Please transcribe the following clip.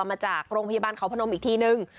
มาจากโรงพยาบาลเขาพนมอีกทีนึง